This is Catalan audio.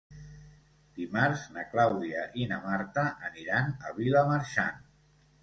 Dimarts na Clàudia i na Marta aniran a Vilamarxant.